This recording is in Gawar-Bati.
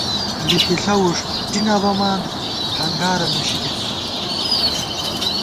لِکِݪہ وُݭٹی نہ بَمان، ہنگارہ لُوشِکے پت